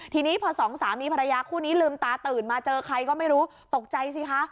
ทีนี้พอสองสามีภรรยาคู่นี้ลืมตาตื่นมาเจอใครก็ไม่รู้ตกใจสิคะ